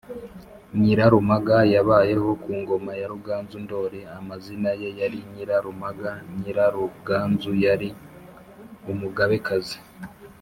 Nyirarumaga yabayeho ku ngoma ya Ruganzu Ndoli, amazina ye yari Nyirarumaga Nyiraruganzu, yari umugabekazi.